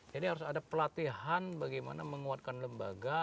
jadi harus ada pelatihan bagaimana menguatkan lembaga